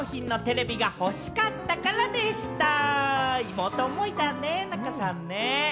妹思いだね、仲さんね。